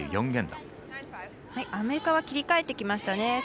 アメリカは切り替えてきましたね。